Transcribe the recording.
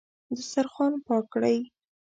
دسترخوان پاک کړئ